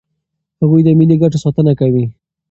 هغوی د ملي ګټو ساتنه کوي.